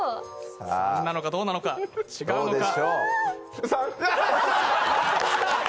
３なのかどうなのか、違うのか？